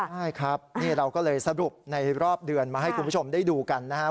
ใช่ครับนี่เราก็เลยสรุปในรอบเดือนมาให้คุณผู้ชมได้ดูกันนะครับ